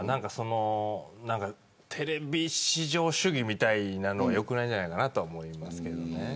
テレビ至上主義みたいなのはよくないんじゃないかなと思いますけどね。